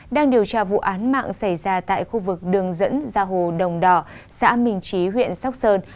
đang điều tra vụ án mạng xảy ra tại khu vực đường dẫn ra hồ đồng đỏ xã minh trí huyện sóc sơn